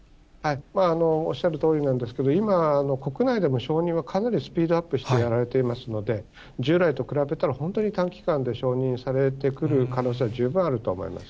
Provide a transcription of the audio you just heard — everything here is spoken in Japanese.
まあ、おっしゃるとおりなんですけれども、今、国内での承認はかなりスピードアップしてやられていますので、従来と比べたら、本当に短期間で承認されてくる可能性は十分あると思います。